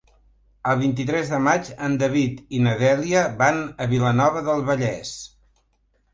El vint-i-tres de maig en David i na Dèlia van a Vilanova del Vallès.